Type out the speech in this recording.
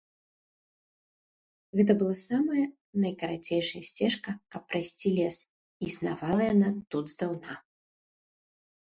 Гэта была самая найкарацейшая сцежка, каб прайсці лес, і існавала яна тут здаўна.